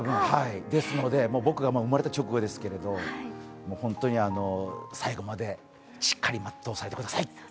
僕が生まれた直後ですけれども、本当に最後までしっかりまっとうされてください。